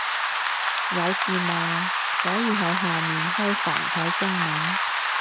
有字幕啊，可以喺下面開繁體中文